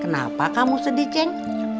kenapa kamu sedih ceng